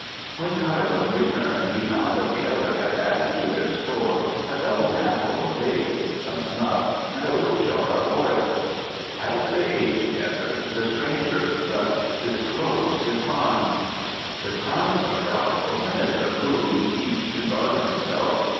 When Kai Lung returned he found that the other had added to their store a double handful of dates, some snuff and a little jar of oil. As they ate together the stranger thus disclosed his mind: "The times are doubtful and it behoves each to guard himself.